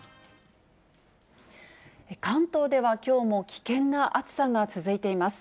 関東ではきょうも危険な暑さが続いています。